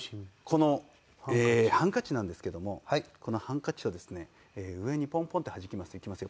このハンカチなんですけどもこのハンカチをですね上にポンポンってはじきます。